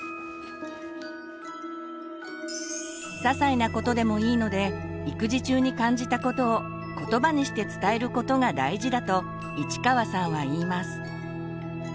ささいなことでもいいので育児中に感じたことをことばにして伝えることが大事だと市川さんは言います。